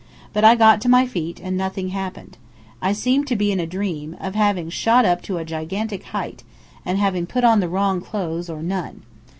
But I got to my feet and nothing happened. I seemed to be in a dream, of having shot up to a gigantic height, and having put on the wrong clothes, or none.